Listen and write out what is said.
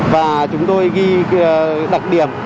và chúng tôi ghi đặc điểm